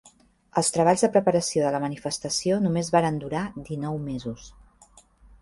Els treballs de preparació de la manifestació només varen durar dinou mesos.